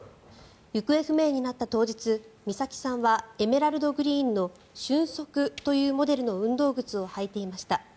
行方不明になった当日美咲さんはエメラルドグリーンの瞬足というモデルの運動靴を履いていました。